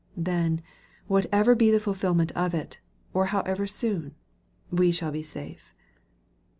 Then, whatever be the ful filment of it, or however soon, we shall be safe.